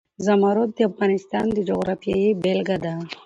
زمرد د افغانستان د جغرافیې بېلګه ده.